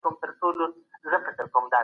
تولیدات د بازار اړتیاوو سره برابریږي.